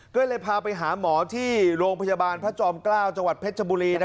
ก็เลยพาไปหาหมอที่โรงพยาบาลพระจอมเกล้าจังหวัดเพชรบุรี